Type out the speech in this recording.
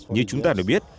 như chúng ta đã biết